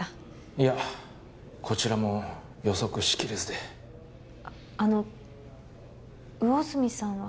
いやこちらも予測しきれずであの魚住さんは？